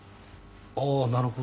ああーなるほど。